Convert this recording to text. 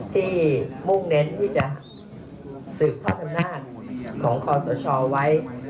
ที่มุ่งเน้นที่จะเสืบทอดธรรมนาธิของความสะชอบไว้